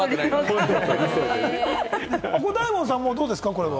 大門さんはどうですか？